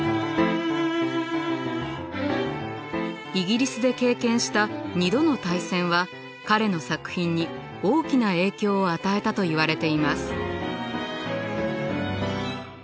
イギリスで経験した２度の大戦は彼の作品に大きな影響を与えたといわれています。